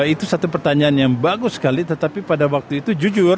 itu satu pertanyaan yang bagus sekali tetapi pada waktu itu jujur